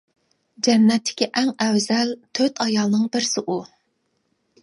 جەننەتتىكى ئەڭ ئەۋزەل، تۆت ئايالنىڭ بىرسى ئۇ.